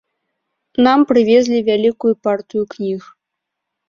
Нам прывезлі вялікую партыю кніг.